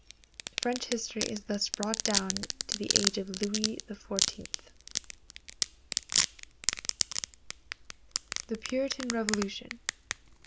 French history is thus brought down to the age of Louis XIV. The Puritan Revolution.